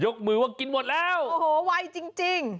ยกมือว่ากินหมดแล้วไปแล้วโอ้โหไวจรรย์จริง